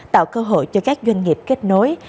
tạo cơ hội cho các doanh nghiệp kết nối